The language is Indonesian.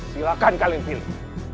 silahkan kalian pilih